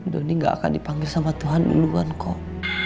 doni gak akan dipanggil sama tuhan duluan kok